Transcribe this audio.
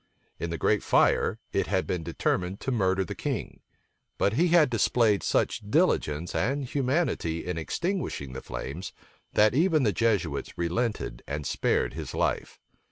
In the great fire, it had been determined to murder the king; but he had displayed such diligence and humanity in extinguishing the flames, that even the Jesuits relented, and spared his life.